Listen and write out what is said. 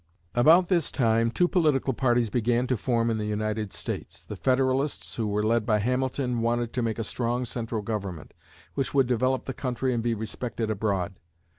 About this time, two political parties began to form in the United States. The Federalists, who were led by Hamilton, wanted to make a strong central government, which would develop the country and be respected abroad.